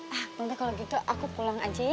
pak nanti kalau gitu aku pulang aja ya